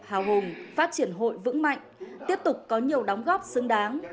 hào hùng phát triển hội vững mạnh tiếp tục có nhiều đóng góp xứng đáng